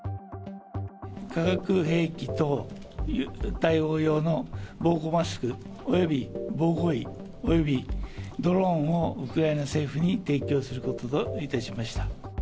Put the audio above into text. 化学兵器等対応用の防護マスクおよび防護衣およびドローンをウクライナ政府に提供することといたしました。